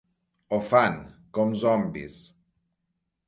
Ho fan, com zombis.